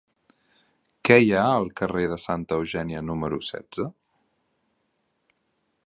Què hi ha al carrer de Santa Eugènia número setze?